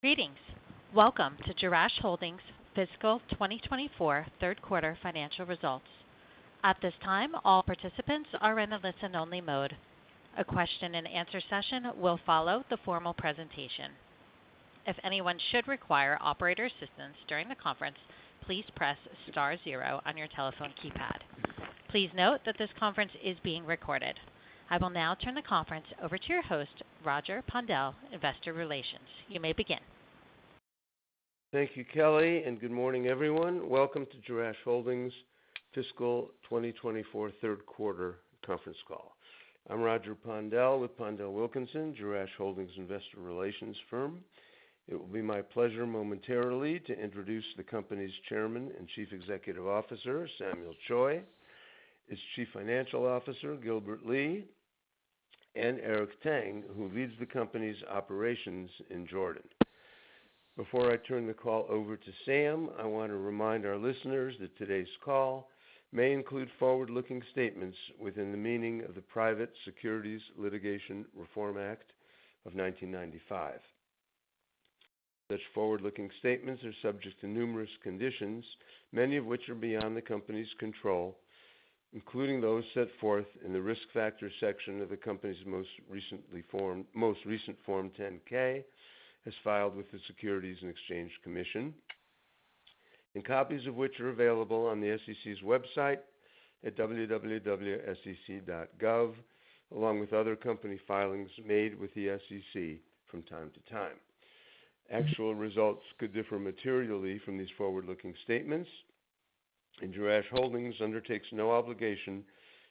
Greetings! Welcome to Jerash Holdings Fiscal 2024 Q3 financial results. At this time, all participants are in the listen-only mode. A question and answer session will follow the formal presentation. If anyone should require operator assistance during the conference, please press star zero on your telephone keypad. Please note that this conference is being recorded. I will now turn the conference over to your host, Roger Pondel, Investor Relations. You may begin. Thank you, Kelly, and good morning, everyone. Welcome to Jerash Holdings Fiscal 2024 third quarter conference call. I'm Roger Pondel with PondelWilkinson, Jerash Holdings investor relations firm. It will be my pleasure momentarily to introduce the company's chairman and Chief Executive Officer, Samuel Choi; his Chief Financial Officer, Gilbert Lee; and Eric Tang, who leads the company's operations in Jordan. Before I turn the call over to Sam, I want to remind our listeners that today's call may include forward-looking statements within the meaning of the Private Securities Litigation Reform Act of 1995. Such forward-looking statements are subject to numerous conditions, many of which are beyond the company's control, including those set forth in the risk factors section of the company's most recent Form 10-K, as filed with the Securities and Exchange Commission, and copies of which are available on the SEC's website at www.sec.gov, along with other company filings made with the SEC from time to time. Actual results could differ materially from these forward-looking statements, and Jerash Holdings undertakes no obligation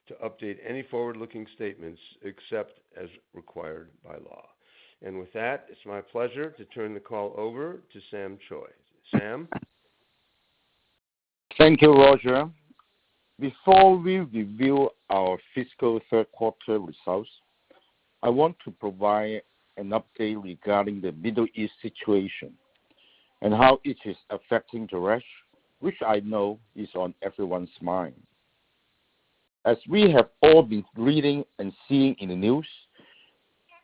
to update any forward-looking statements except as required by law. With that, it's my pleasure to turn the call over to Sam Choi. Sam? Thank you, Roger. Before we reveal our fiscal third quarter results, I want to provide an update regarding the Middle East situation and how it is affecting Jerash, which I know is on everyone's mind. As we have all been reading and seeing in the news,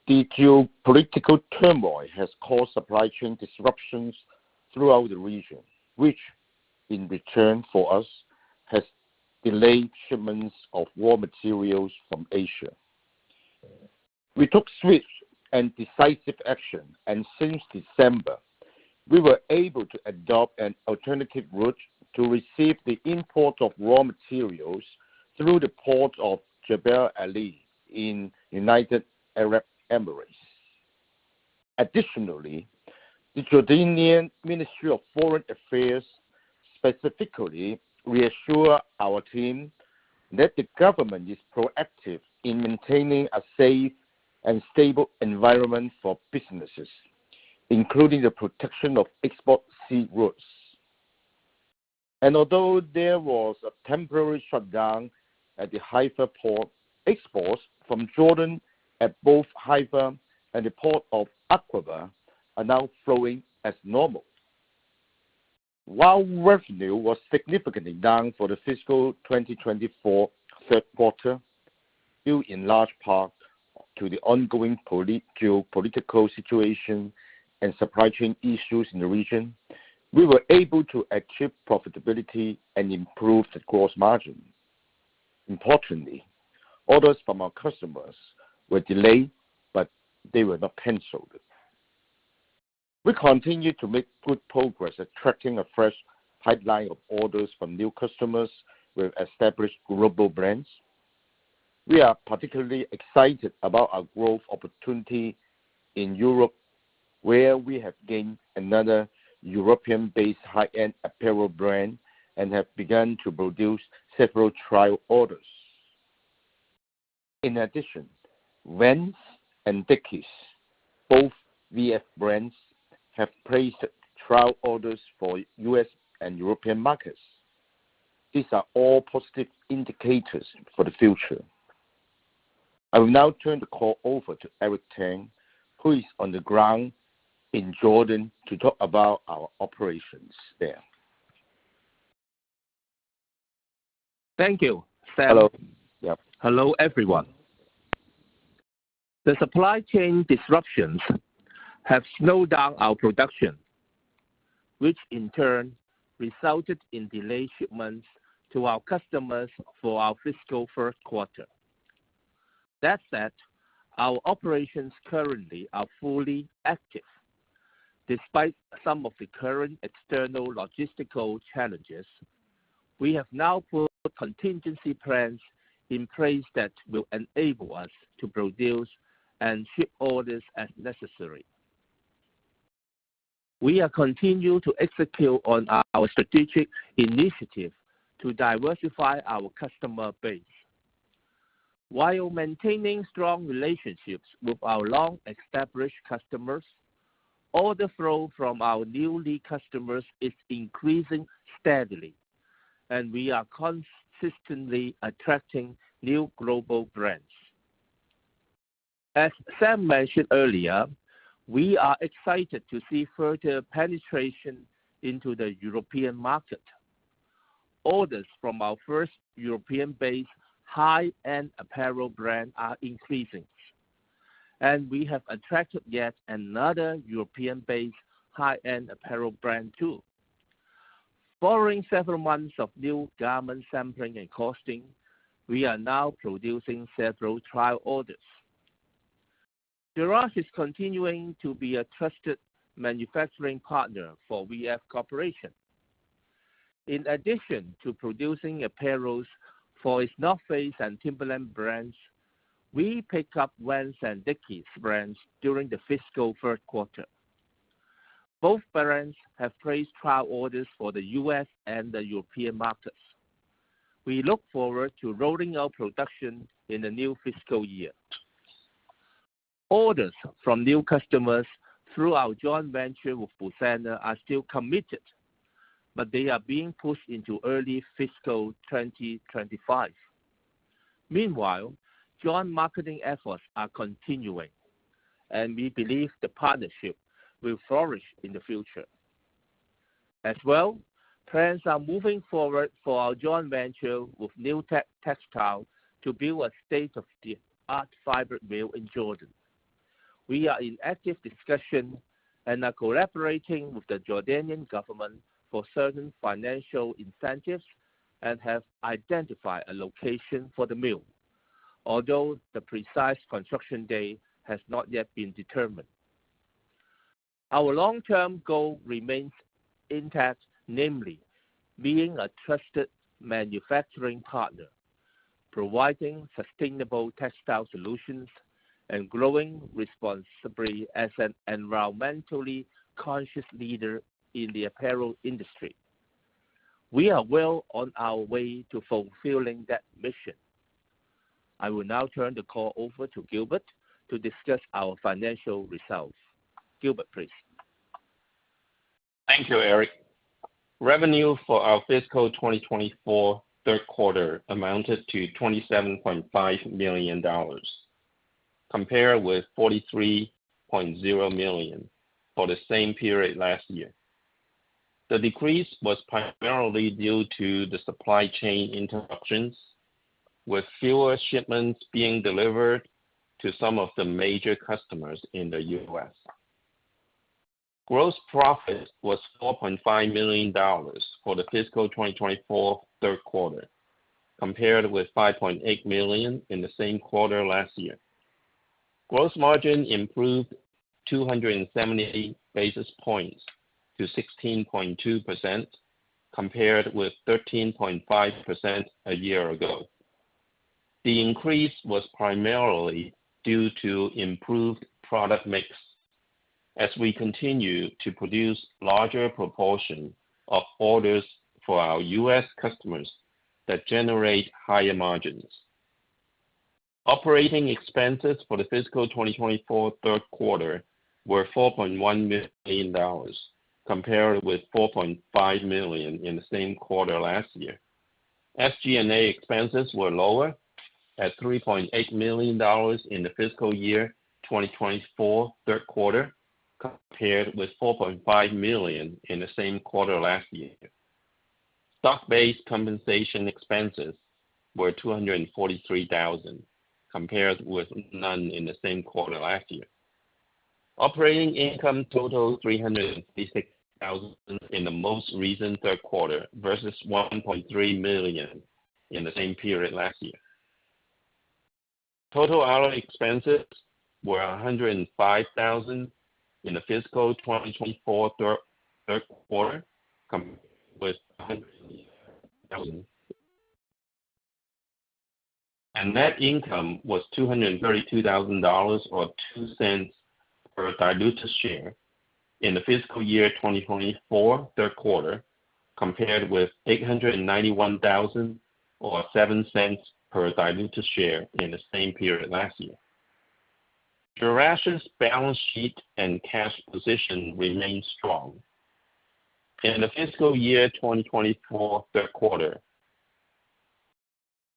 geopolitical turmoil has caused supply chain disruptions throughout the region, which in return for us, has delayed shipments of raw materials from Asia. We took swift and decisive action, and since December, we were able to adopt an alternative route to receive the import of raw materials through the port of Jebel Ali in United Arab Emirates. Additionally, the Jordanian Ministry of Foreign Affairs specifically reassured our team that the government is proactive in maintaining a safe and stable environment for businesses, including the protection of export sea routes. And although there was a temporary shutdown at the Haifa Port, exports from Jordan at both Haifa and the port of Aqaba are now flowing as normal. While revenue was significantly down for the fiscal 2024 third quarter, due in large part to the ongoing geopolitical situation and supply chain issues in the region, we were able to achieve profitability and improve the gross margin. Importantly, orders from our customers were delayed, but they were not canceled. We continue to make good progress attracting a fresh pipeline of orders from new customers with established global brands. We are particularly excited about our growth opportunity in Europe, where we have gained another European-based high-end apparel brand and have begun to produce several trial orders. In addition, Vans and Dickies, both VF brands, have placed trial orders for U.S. and European markets. These are all positive indicators for the future. I will now turn the call over to Eric Tang, who is on the ground in Jordan to talk about our operations there. Thank you, Sam. Hello. Yep. Hello, everyone. The supply chain disruptions have slowed down our production, which in turn resulted in delayed shipments to our customers for our fiscal first quarter. That said, our operations currently are fully active. Despite some of the current external logistical challenges, we have now put contingency plans in place that will enable us to produce and ship orders as necessary. We are continuing to execute on our strategic initiative to diversify our customer base. While maintaining strong relationships with our long-established customers, order flow from our new customers is increasing steadily, and we are consistently attracting new global brands. As Sam mentioned earlier, we are excited to see further penetration into the European market... Orders from our first European-based high-end apparel brand are increasing, and we have attracted yet another European-based high-end apparel brand, too. Following several months of new garment sampling and costing, we are now producing several trial orders. Jerash is continuing to be a trusted manufacturing partner for VF Corporation. In addition to producing apparel for its North Face and Timberland brands, we picked up Vans and Dickies brands during the fiscal third quarter. Both brands have placed trial orders for the U.S. and the European markets. We look forward to rolling out production in the new fiscal year. Orders from new customers through our joint venture with Busana are still committed, but they are being pushed into early fiscal 2025. Meanwhile, joint marketing efforts are continuing, and we believe the partnership will flourish in the future. As well, plans are moving forward for our joint venture with New Tech Textile to build a state-of-the-art fiber mill in Jordan. We are in active discussion and are collaborating with the Jordanian government for certain financial incentives and have identified a location for the mill, although the precise construction date has not yet been determined. Our long-term goal remains intact, namely, being a trusted manufacturing partner, providing sustainable textile solutions and growing responsibly as an environmentally conscious leader in the apparel industry. We are well on our way to fulfilling that mission. I will now turn the call over to Gilbert to discuss our financial results. Gilbert, please. Thank you, Eric. Revenue for our fiscal 2024 third quarter amounted to $27.5 million, compared with $43.0 million for the same period last year. The decrease was primarily due to the supply chain interruptions, with fewer shipments being delivered to some of the major customers in the U.S. Gross profit was $4.5 million for the fiscal 2024 third quarter, compared with $5.8 million in the same quarter last year. Gross margin improved 270 basis points to 16.2%, compared with 13.5% a year ago. The increase was primarily due to improved product mix as we continue to produce larger proportion of orders for our U.S. customers that generate higher margins. Operating expenses for the fiscal 2024 third quarter were $4.1 million, compared with $4.5 million in the same quarter last year. SG&A expenses were lower at $3.8 million in the fiscal year 2024 third quarter, compared with $4.5 million in the same quarter last year. Stock-based compensation expenses were $243,000, compared with none in the same quarter last year. Operating income totaled $356,000 in the most recent third quarter, versus $1.3 million in the same period last year. Total other expenses were $105,000 in the fiscal 2024 third quarter, compared with $100,000. Net income was $232,000, or $0.02 per diluted share in the fiscal year 2024 third quarter, compared with $891,000, or $0.07 per diluted share in the same period last year. Jerash's balance sheet and cash position remain strong. In the fiscal year 2024 third quarter,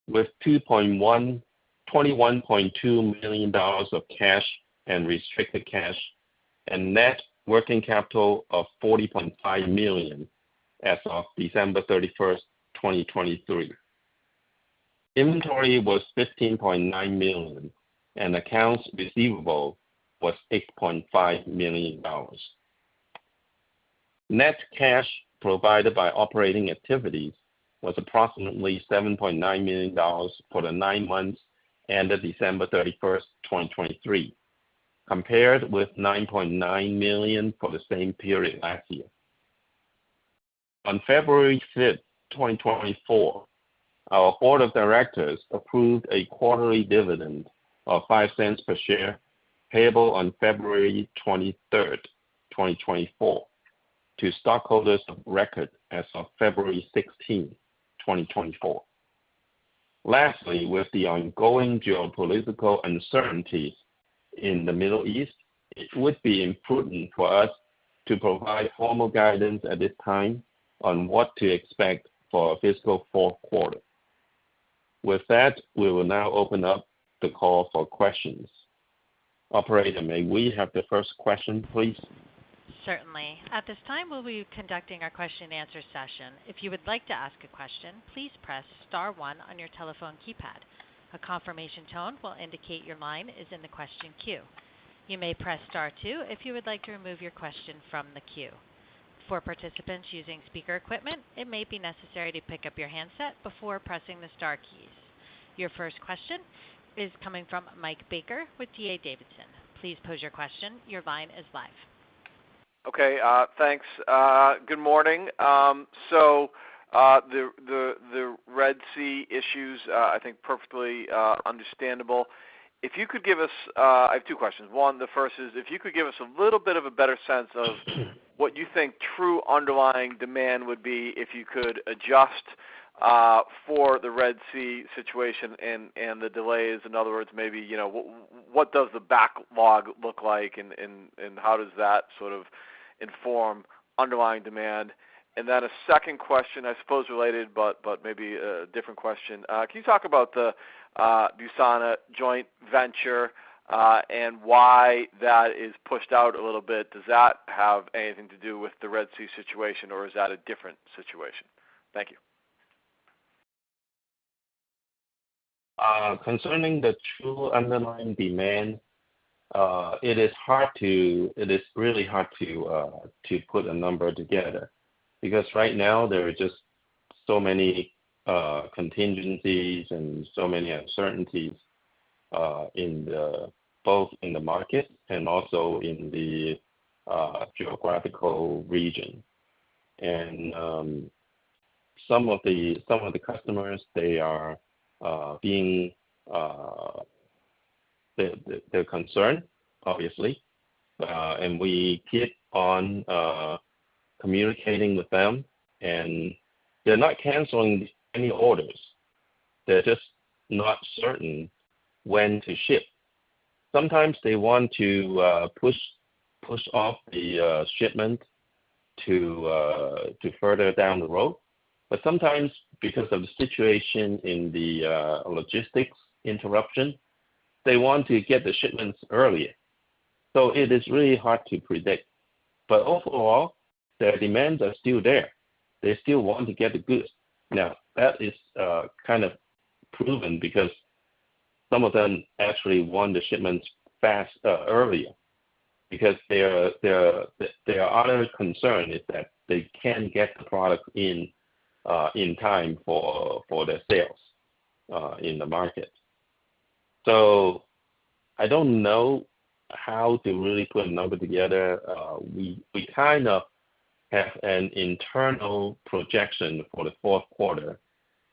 with $21.2 million of cash and restricted cash, and net working capital of $40.5 million as of December 31, 2023. Inventory was $15.9 million, and accounts receivable was $8.5 million. Net cash provided by operating activities was approximately $7.9 million for the nine months ended December 31, 2023, compared with $9.9 million for the same period last year. On February 5, 2024, our board of directors approved a quarterly dividend of $0.05 per share, payable on February 23, 2024, to stockholders of record as of February 16, 2024. Lastly, with the ongoing geopolitical uncertainties in the Middle East, it would be imprudent for us to provide formal guidance at this time on what to expect for our fiscal fourth quarter. With that, we will now open up the call for questions. Operator, may we have the first question, please? Certainly. At this time, we'll be conducting our question and answer session. If you would like to ask a question, please press star one on your telephone keypad. A confirmation tone will indicate your line is in the question queue. You may press star two if you would like to remove your question from the queue. For participants using speaker equipment, it may be necessary to pick up your handset before pressing the star keys. Your first question is coming from Mike Baker with D.A. Davidson. Please pose your question. Your line is live. Okay, thanks. Good morning. So, the Red Sea issues, I think perfectly understandable. If you could give us... I have two questions. One, the first is, if you could give us a little bit of a better sense of what you think true underlying demand would be if you could adjust for the Red Sea situation and the delays. In other words, maybe, you know, what does the backlog look like, and how does that sort of inform underlying demand? And then a second question, I suppose, related, but maybe a different question. Can you talk about the Busana joint venture, and why that is pushed out a little bit? Does that have anything to do with the Red Sea situation, or is that a different situation? Thank you. Concerning the true underlying demand, it is really hard to put a number together because right now there are just so many contingencies and so many uncertainties, both in the market and also in the geographical region. Some of the customers, they're concerned, obviously, and we keep on communicating with them, and they're not canceling any orders. They're just not certain when to ship. Sometimes they want to push off the shipment to further down the road, but sometimes because of the situation in the logistics interruption, they want to get the shipments earlier. So it is really hard to predict. But overall, their demands are still there. They still want to get the goods. Now, that is kind of proven because some of them actually want the shipments fast, earlier, because their other concern is that they can't get the product in time for the sales in the market. So I don't know how to really put a number together. We kind of have an internal projection for the fourth quarter,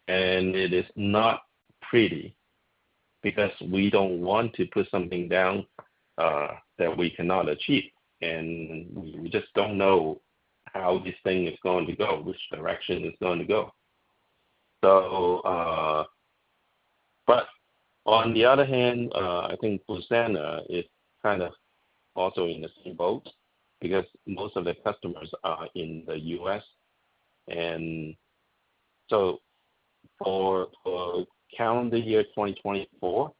and it is not pretty because we don't want to put something down that we cannot achieve, and we just don't know how this thing is going to go, which direction it's going to go. So, but on the other hand, I think Busana is kind of also in the same boat because most of their customers are in the U.S. And so for calendar year 2024,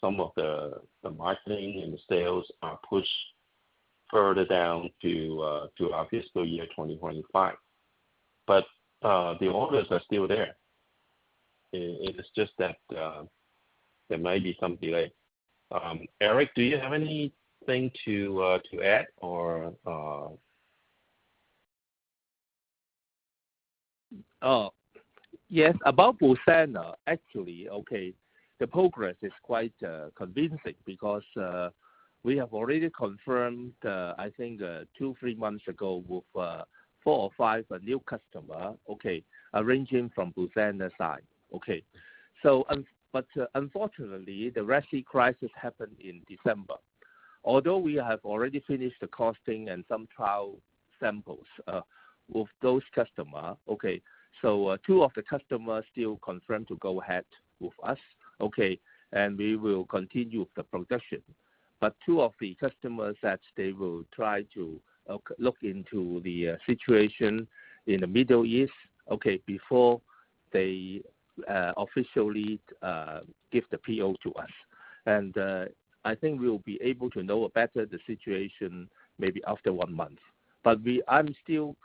some of the marketing and sales are pushed further down to our fiscal year 2025, but the orders are still there. It is just that there might be some delay. Eric, do you have anything to add or? Oh, yes. About Busana, actually, okay, the progress is quite convincing because we have already confirmed, I think, 2, 3 months ago with 4 or 5 new customer, okay, arranging from Busana side. Okay. But unfortunately, the Red Sea crisis happened in December. Although we have already finished the costing and some trial samples with those customer, okay, so 2 of the customers still confirmed to go ahead with us, okay, and we will continue the production. But 2 of the customers that they will try to, okay, look into the situation in the Middle East, okay, before they officially give the PO to us. And I think we'll be able to know better the situation maybe after 1 month. But I'm still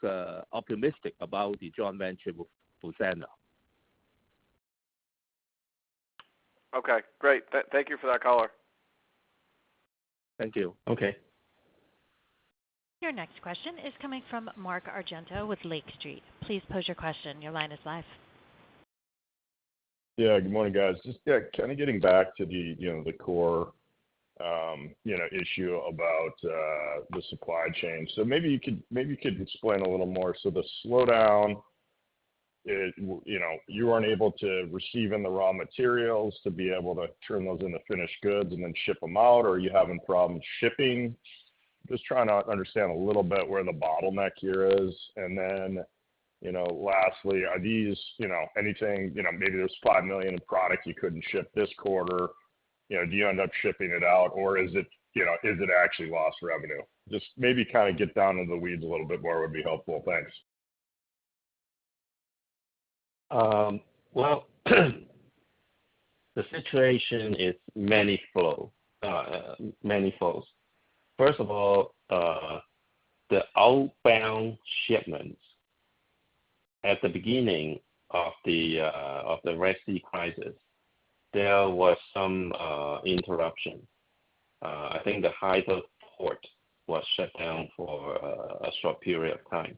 optimistic about the joint venture with Busana. Okay, great. Thank you for that color. Thank you. Okay. Your next question is coming from Mark Argento with Lake Street. Please pose your question. Your line is live. Yeah, good morning, guys. Just, yeah, kind of getting back to the, you know, the core, issue about, the supply chain. So maybe you could, maybe you could explain a little more. So the slowdown, you know, you weren't able to receive in the raw materials to be able to turn those into finished goods and then ship them out, or are you having problems shipping? Just trying to understand a little bit where the bottleneck here is. And then, you know, lastly, are these, you know, anything, you know, maybe there's $5 million in product you couldn't ship this quarter? You know, do you end up shipping it out, or is it, you know, is it actually lost revenue? Just maybe kind of get down in the weeds a little bit more would be helpful. Thanks. Well, the situation is manifold, manifolds. First of all, the outbound shipments at the beginning of the Red Sea crisis, there was some interruption. I think the Haifa Port was shut down for a short period of time.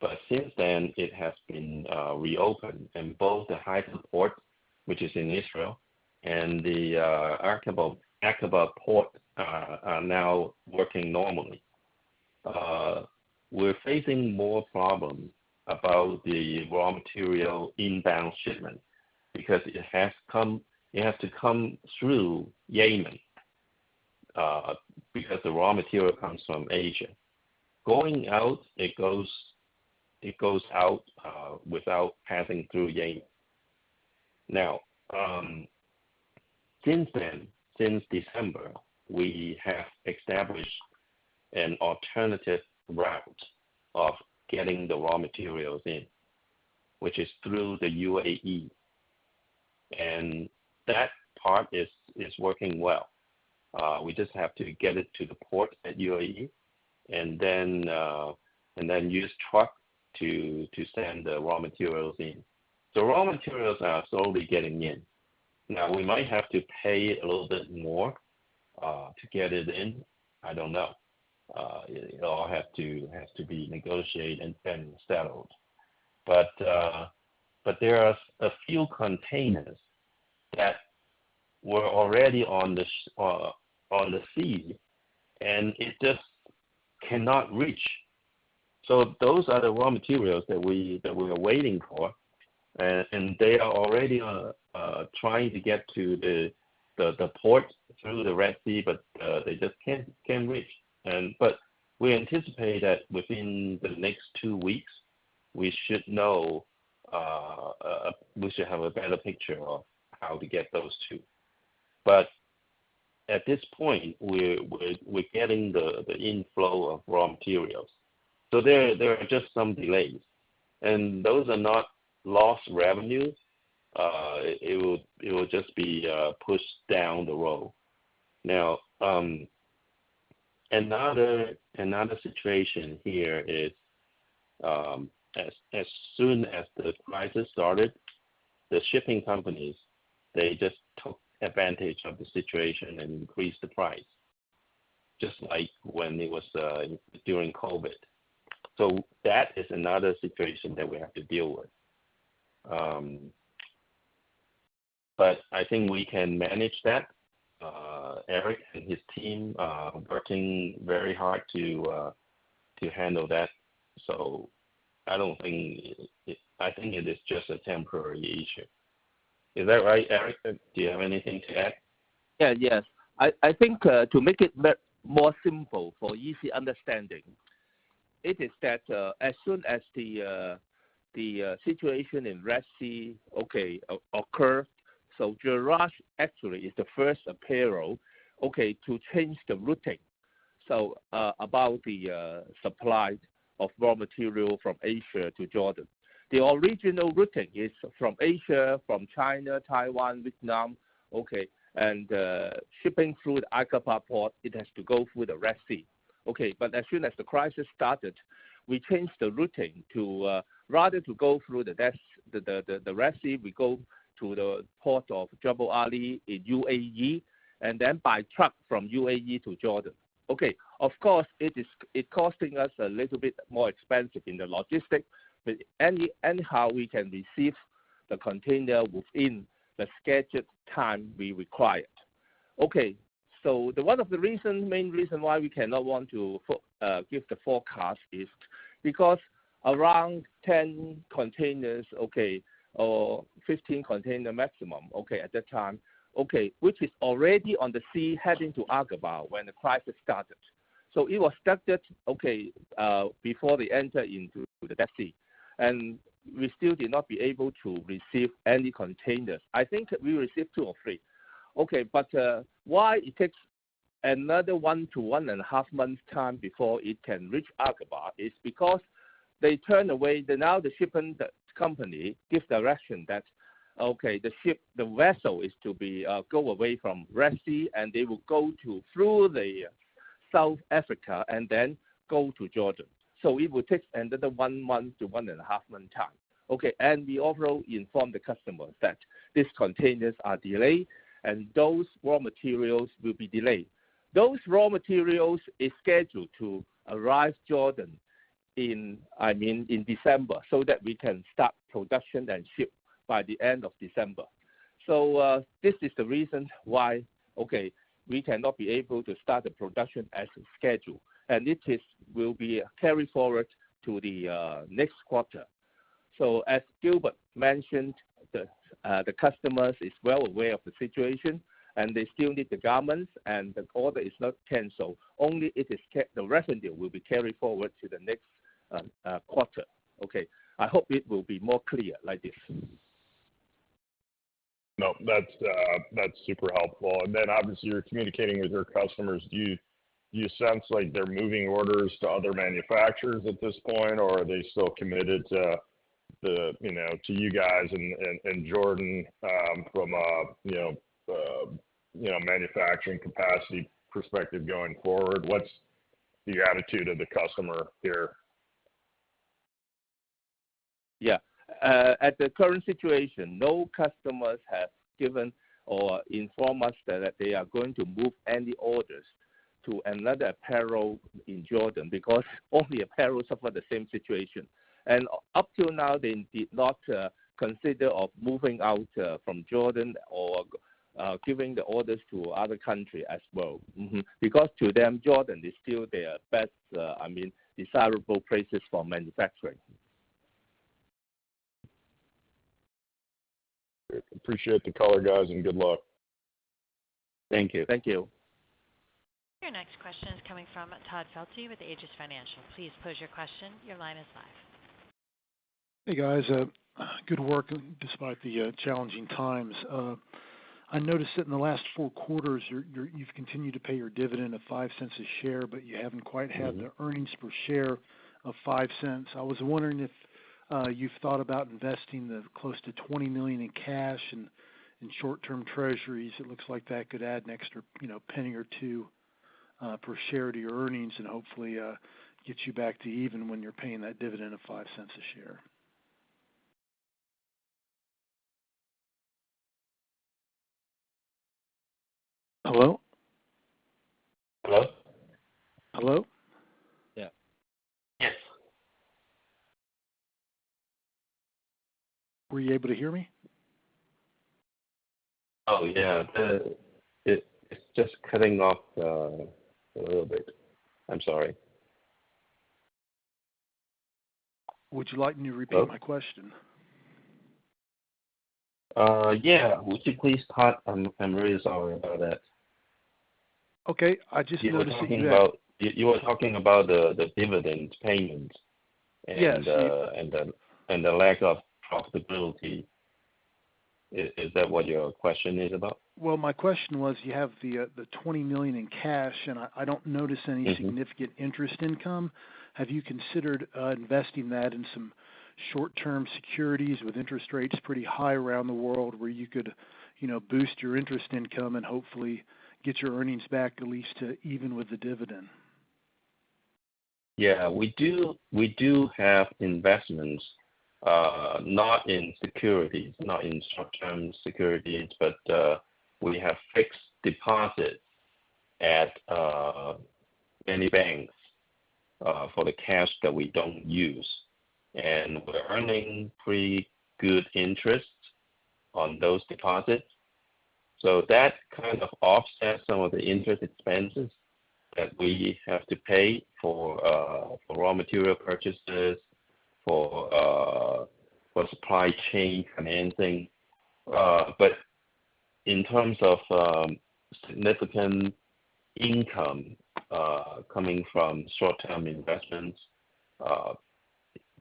But since then, it has been reopened, and both the Haifa Port, which is in Israel, and the Aqaba Port, are now working normally. We're facing more problems about the raw material inbound shipment, because it has to come through Yemen, because the raw material comes from Asia. Going out, it goes out without passing through Yemen. Now, since then, since December, we have established an alternative route of getting the raw materials in, which is through the UAE, and that part is working well. We just have to get it to the port at UAE and then, and then use truck to send the raw materials in. So raw materials are slowly getting in. Now, we might have to pay a little bit more to get it in. I don't know. It all has to be negotiated and settled. But there are a few containers that were already on the sea, and it just cannot reach. So those are the raw materials that we are waiting for, and they are already trying to get to the port through the Red Sea, but they just can't reach. We anticipate that within the next two weeks, we should know. We should have a better picture of how to get those two. But at this point, we're getting the inflow of raw materials. So there are just some delays, and those are not lost revenues. It will just be pushed down the road. Now, another situation here is, as soon as the crisis started, the shipping companies, they just took advantage of the situation and increased the price, just like when it was during COVID. So that is another situation that we have to deal with. But I think we can manage that. Eric and his team are working very hard to handle that, so I don't think... I think it is just a temporary issue. Is that right, Eric? Do you have anything to add? Yeah, yes. I think to make it more simple for easy understanding, it is that as soon as the situation in the Red Sea occurred, so Jerash actually is the first apparel to change the routing. So about the supply of raw material from Asia to Jordan. The original routing is from Asia, from China, Taiwan, Vietnam, and shipping through the Aqaba port, it has to go through the Red Sea. Okay, but as soon as the crisis started, we changed the routing to rather than go through the Red Sea, we go to the port of Jebel Ali in UAE, and then by truck from UAE to Jordan. Okay. Of course, it is costing us a little bit more expensive in the logistics, but anyhow, we can receive the container within the scheduled time we required. Okay, so one of the reasons, main reason why we cannot afford to give the forecast is because around 10 containers, okay, or 15 containers maximum, okay, at that time, okay, which is already on the sea heading to Aqaba when the crisis started. So it was started, okay, before they enter into the Red Sea, and we still did not be able to receive any containers. I think we received 2 or 3. Okay, but, why it takes another 1-1.5 months time before it can reach Aqaba, is because they turn away, the now the shipping company gives direction that, okay, the ship, the vessel is to be, go away from Red Sea, and they will go to through the South Africa and then go to Jordan. So it will take another 1 month to 1.5 month time. Okay, and we also inform the customers that these containers are delayed, and those raw materials will be delayed. Those raw materials is scheduled to arrive Jordan in, I mean, in December, so that we can start production and ship by the end of December. So, this is the reason why, okay, we cannot be able to start the production as scheduled, and this is, will be carried forward to the, next quarter. So as Gilbert mentioned, the customers is well aware of the situation, and they still need the garments, and the order is not canceled. Only it is the revenue will be carried forward to the next-... quarter. Okay, I hope it will be more clear like this. No, that's, that's super helpful. And then, obviously, you're communicating with your customers. Do you sense like they're moving orders to other manufacturers at this point, or are they still committed to the, you know, to you guys and Jordan, from a, you know, manufacturing capacity perspective going forward? What's the attitude of the customer here? Yeah. At the current situation, no customers have given or informed us that they are going to move any orders to another apparel in Jordan, because all the apparel suffer the same situation. Up till now, they did not consider of moving out from Jordan or giving the orders to other country as well. Because to them, Jordan is still their best, I mean, desirable places for manufacturing. Appreciate the color, guys, and good luck. Thank you. Thank you. Your next question is coming from Todd Felte with Aegis Financial. Please pose your question. Your line is live. Hey, guys, good work despite the challenging times. I noticed that in the last four quarters, you've continued to pay your dividend of $0.05 a share, but you haven't quite had- Mm-hmm. The earnings per share of $0.05. I was wondering if you've thought about investing the close to $20 million in cash and, and short-term Treasuries. It looks like that could add an extra, you know, 1 cent or 2 cents per share to your earnings and hopefully get you back to even when you're paying that dividend of $0.05 a share. Hello? Hello. Hello? Yeah. Yes. Were you able to hear me? Oh, yeah. It, it's just cutting off a little bit. I'm sorry. Would you like me to repeat my question? Yeah. Would you please start? I'm really sorry about that. Okay, I just noticed that you- You were talking about the dividend payment- Yes... and the lack of profitability. Is that what your question is about? Well, my question was, you have the $20 million in cash, and I don't notice any- Mm-hmm. -significant interest income. Have you considered, investing that in some short-term securities with interest rates pretty high around the world, where you could, you know, boost your interest income and hopefully get your earnings back at least to even with the dividend? Yeah, we do, we do have investments, not in securities, not in short-term securities, but we have fixed deposits at many banks for the cash that we don't use. And we're earning pretty good interest on those deposits. So that kind of offsets some of the interest expenses that we have to pay for raw material purchases, for supply chain financing. But in terms of significant income coming from short-term investments,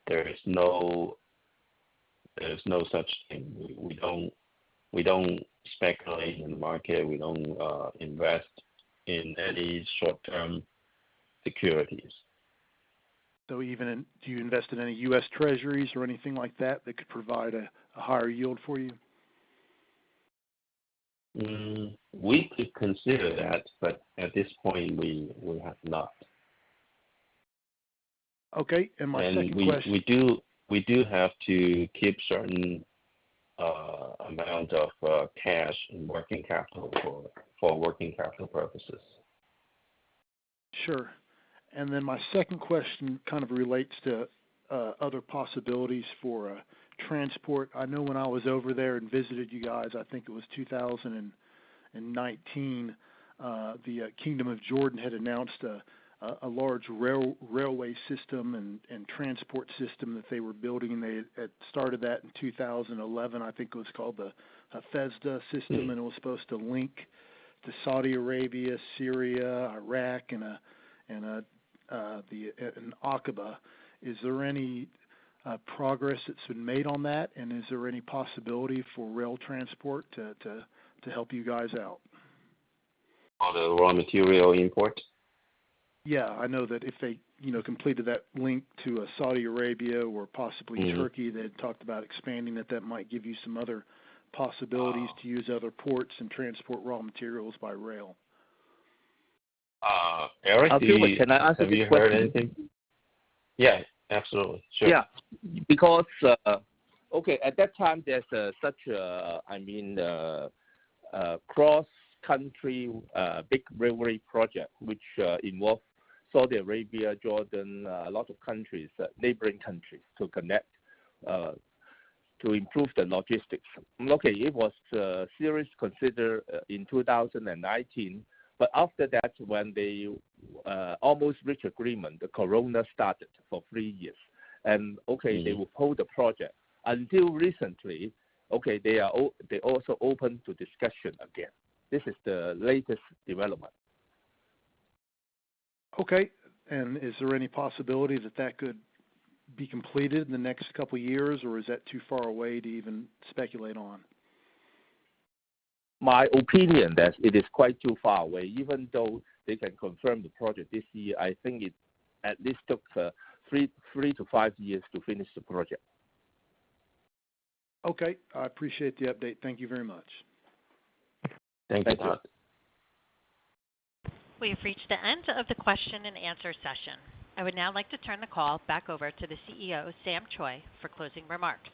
there is no, there's no such thing. We, we don't, we don't speculate in the market. We don't invest in any short-term securities. Do you invest in any U.S. Treasuries or anything like that, that could provide a higher yield for you? We could consider that, but at this point, we have not. Okay, and my second question- We do have to keep certain amount of cash and working capital for working capital purposes. Sure. And then my second question kind of relates to other possibilities for transport. I know when I was over there and visited you guys, I think it was 2019, the Kingdom of Jordan had announced a large railway system and transport system that they were building, and they had started that in 2011. I think it was called the Hejaz system- Mm-hmm. And it was supposed to link to Saudi Arabia, Syria, Iraq, and Aqaba. Is there any progress that's been made on that? And is there any possibility for rail transport to help you guys out? On the raw material imports? Yeah. I know that if they, you know, completed that link to, Saudi Arabia or possibly Turkey- Mm-hmm. They had talked about expanding that. That might give you some other possibilities to use other ports and transport raw materials by rail. Eric, do you- Can I ask a question? Have you heard anything? Yeah, absolutely. Sure. Yeah, because... Okay, at that time, there's such a, I mean, cross-country big railway project, which involve Saudi Arabia, Jordan, a lot of countries, neighboring countries to connect, to improve the logistics. Okay, it was serious consider in 2019, but after that, when they almost reached agreement, the corona started for three years. And okay- Mm-hmm. They will hold the project. Until recently, okay, they are open to discussion again. This is the latest development. Okay. And is there any possibility that that could be completed in the next couple of years, or is that too far away to even speculate on? My opinion, that it is quite too far away. Even though they can confirm the project this year, I think it at least took 3-5 years to finish the project. Okay, I appreciate the update. Thank you very much. Thank you. Thank you. We have reached the end of the question and answer session. I would now like to turn the call back over to the CEO, Sam Choi, for closing remarks.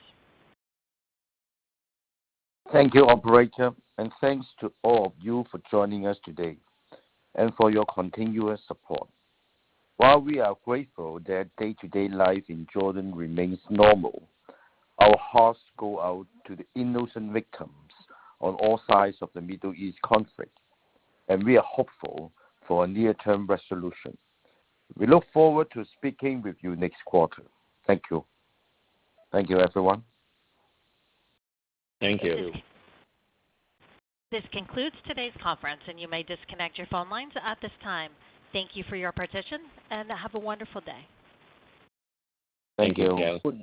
Thank you, operator, and thanks to all of you for joining us today and for your continuous support. While we are grateful that day-to-day life in Jordan remains normal, our hearts go out to the innocent victims on all sides of the Middle East conflict, and we are hopeful for a near-term resolution. We look forward to speaking with you next quarter. Thank you. Thank you, everyone. Thank you. This concludes today's conference, and you may disconnect your phone lines at this time. Thank you for your participation, and have a wonderful day. Thank you. Thank you.